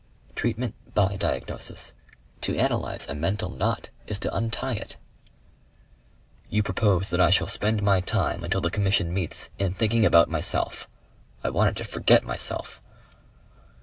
"Treatment by diagnosis. To analyze a mental knot is to untie it." "You propose that I shall spend my time, until the Commission meets, in thinking about myself. I wanted to forget myself."